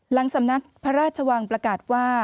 หลังสำนักพระราชวังประกาศว่า